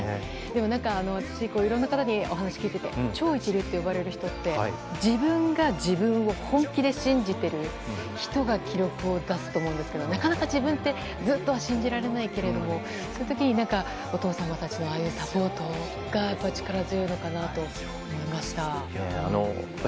私、いろんな方にお話を聞いてて超一流って呼ばれる人って自分が自分を本気で信じてる人が記録を出すと思うんですけどなかなか自分ってずっとは信じられないけれどもそういう時にお父様たちのああいうサポートが力強いのかなと思いました。